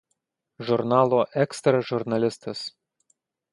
Žurnalo „Ekstra“ žurnalistas.